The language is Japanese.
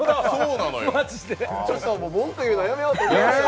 文句言うのやめようと思いました。